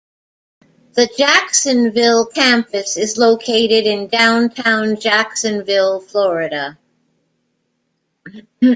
The Jacksonville campus is located in downtown Jacksonville, Florida.